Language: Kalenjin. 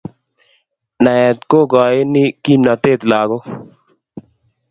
Naet kokaini kimnatet lako